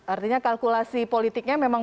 artinya kalkulasi politiknya memang